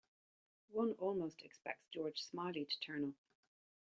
One almost expects George Smiley to turn up.